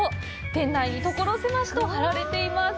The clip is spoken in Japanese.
店内に所狭しと貼られています。